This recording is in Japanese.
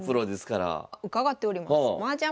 伺っております。